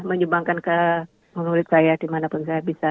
menyumbangkan ke mulut saya dimanapun saya bisa